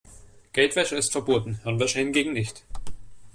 Geldwäsche ist verboten, Hirnwäsche hingegen nicht.